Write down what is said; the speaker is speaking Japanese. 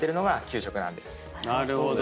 なるほど。